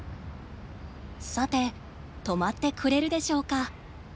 さて止まってくれるでしょうか。